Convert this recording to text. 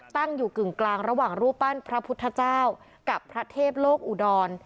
ตั้งอยู่กึ่งกลางระหว่างรูปปั้นพระพุทธเจ้ากับพระเทพโลกอุดร